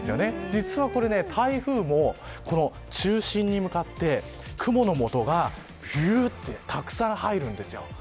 実は、これ台風もこの中心に向かって雲のもとがひゅってたくさん入るんですよ。